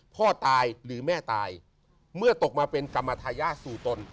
พ่อตายหรือแม่ตายเมื่อตกมาเป็นกรรมทายาทสู่ตน